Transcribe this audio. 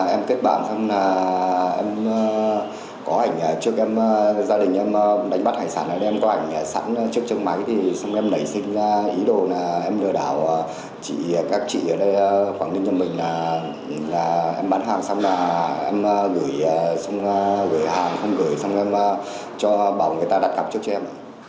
em lấy xin ý đồ em lừa đảo các chị ở đây quảng ninh cho mình là em bán hàng xong là em gửi hàng không gửi xong em cho bảo người ta đặt cặp trước cho em